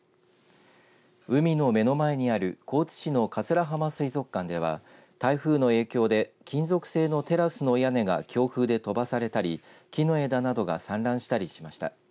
海の目の前にある高知市の桂浜水族館では台風の影響で金属製のテラスの屋根が強風で飛ばされたり木の枝などが散乱したりしました。